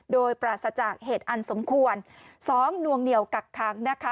โดยปราศจากเหตุอันสมควร๒นวงเหนียวกักค้างนะคะ